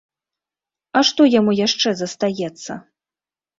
А што яму яшчэ застаецца?